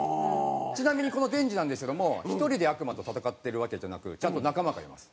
ちなみにこのデンジなんですけども１人で悪魔と戦ってるわけじゃなくちゃんと仲間がいます。